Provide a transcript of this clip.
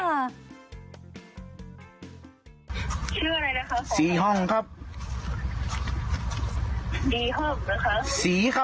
ในเมืองนี้อยู่ที่ไหนฮะ